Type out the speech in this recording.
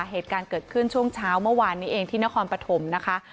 เหตุการณ์เกิดขึ้นช่วงเช้าเมื่อวานนี้เองที่นครปฐมนะคะ